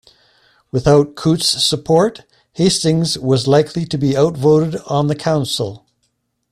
Without Coote's support, Hastings was likely to be outvoted on the Council.